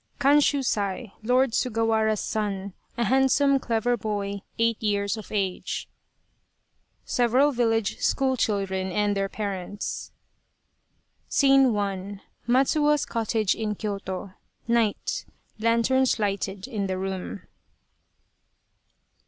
KANSHUSAI, Lord Sugawara's son, a handsome clever boy, eight years of age. Several village school children and their parents. SCENE I. Matsuo's cottage in Kyoto. Night. Lanterns lighted in the room.